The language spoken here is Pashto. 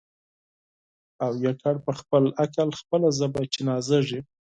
او یوازي په خپل عقل خپله ژبه چي نازیږي